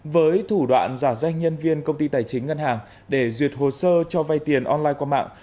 với thủ đoạn giả danh nhân viên công ty tài chính ngân hàng để duyệt hồ sơ cho vay tiền online qua mạng